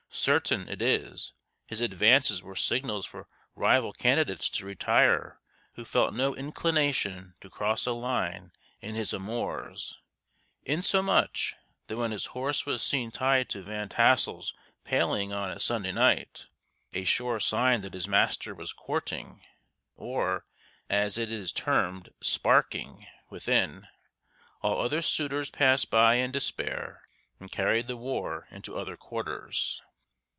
Certain it is, his advances were signals for rival candidates to retire who felt no inclination to cross a line in his amours; insomuch, that when his horse was seen tied to Van Tassel's paling on a Sunday night, a sure sign that his master was courting or, as it is termed, "sparking" within, all other suitors passed by in despair and carried the war into other quarters.